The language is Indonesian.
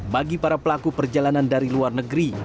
bagi para pelaku perjalanan dari luar negeri